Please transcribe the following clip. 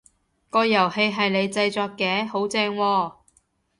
個遊戲係你製作嘅？好正喎！